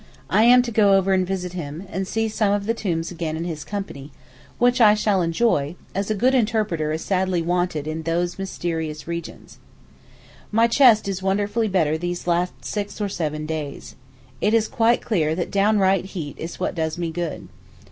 I am to go over and visit him, and see some of the tombs again in his company, which I shall enjoy, as a good interpreter is sadly wanted in those mysterious regions. My chest is wonderfully better these last six or seven days. It is quite clear that downright heat is what does me good.